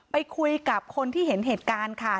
ไปคุยกับคนที่เห็นเหตุการณ์ค่ะ